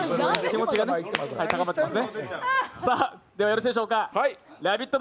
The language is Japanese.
ではよろしいでしょうか、「ラヴィット！」